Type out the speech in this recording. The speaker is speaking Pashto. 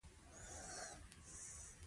اولادونو ته حلال مال پریږدئ.